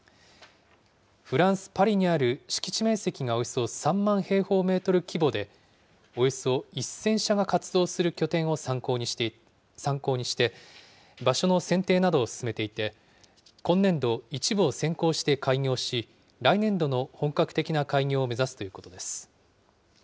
フランス・パリにある敷地面積がおよそ３万平方メートル規模で、およそ１０００社が活動する拠点を参考にして、場所の選定などを進めていて、今年度、一部を先行して開業し、来年度の本格的な開業を目指すということです。